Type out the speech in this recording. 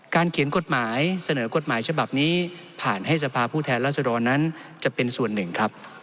เขียนกฎหมายเสนอกฎหมายฉบับนี้ผ่านให้สภาพผู้แทนรัศดรนั้นจะเป็นส่วนหนึ่งครับ